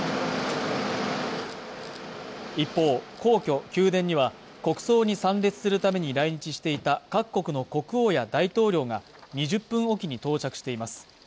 一方皇居宮殿には国葬に参列するために来日していた各国の国王や大統領が２０分おきに到着しています